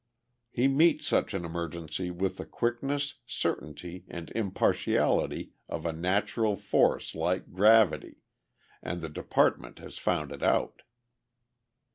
He meets such an emergency with the quickness, certainty and impartiality of a natural force like gravity, and the department has found it out.